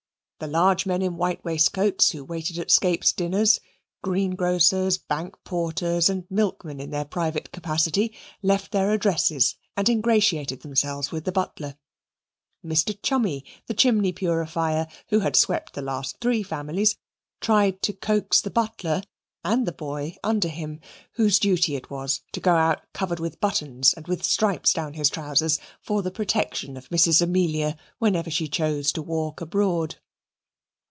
The large men in white waistcoats who waited at Scape's dinners, greengrocers, bank porters, and milkmen in their private capacity, left their addresses and ingratiated themselves with the butler. Mr. Chummy, the chimney purifier, who had swept the last three families, tried to coax the butler and the boy under him, whose duty it was to go out covered with buttons and with stripes down his trousers, for the protection of Mrs. Amelia whenever she chose to walk abroad.